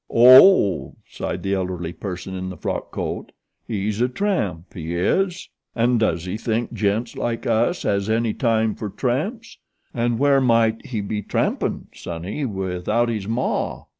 "Oh," sighed the elderly person in the frock coat. "He's a tramp, he is. An' does he think gents like us has any time for tramps? An' where might he be trampin', sonny, without his maw?"